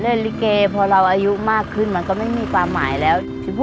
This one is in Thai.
ลิเกพอเราอายุมากขึ้นมันก็ไม่มีความหมายแล้ว